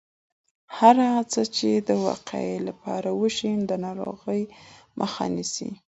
هره هڅه چې د وقایې لپاره وشي، د ناروغیو مخه نیسي.